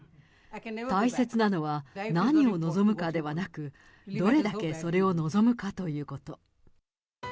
大切なのは、何を望むかではなく、どれだけそれを望むかということ。